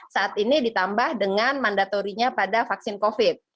saat ini ditambah dengan mandatorinya pada vaksin covid